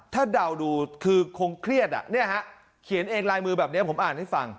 ถ้าเดาดูคือคงเครียดเขียนเองลายมือแบบนี้ผมอ่านให้ฟัง